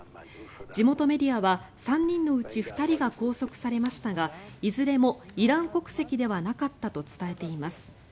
地元メディアは３人のうち２人が拘束されましたがいずれもイラン国籍ではなかったと伝えています。